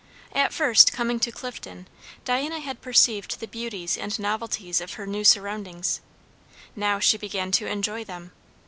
At first coming to Clifton, Diana had perceived the beauties and novelties of her new surroundings; now she began to enjoy them.